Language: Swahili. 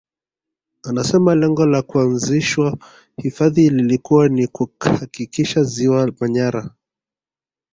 Anasema lengo la kuanzishwa hifadhi lilikuwa ni kuhakikisha Ziwa Manyara